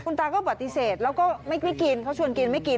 ตาก็ปฏิเสธแล้วก็ไม่ได้กินเขาชวนกินไม่กิน